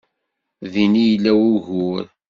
Din i yella wugur.